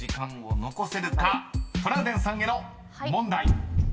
［トラウデンさんへの問題］